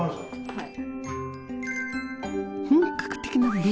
はい。